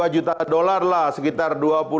dua juta dollar lah sekitar dua puluh lima